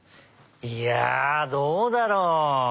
いやあどうだろう？